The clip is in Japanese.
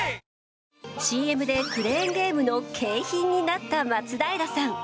ＣＭでクレーンゲームの景品になった松平さん。